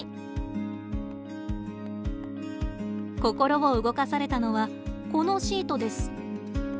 心を動かされたのはこのシートです。